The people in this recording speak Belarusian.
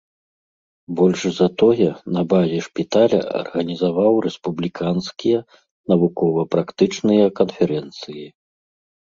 Больш за тое, на базе шпіталя арганізаваў рэспубліканскія навукова-практычныя канферэнцыі.